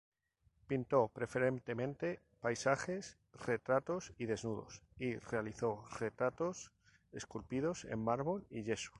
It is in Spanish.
Pintó preferentemente paisajes, retratos y desnudos, y realizó retratos esculpidos en mármol y yeso.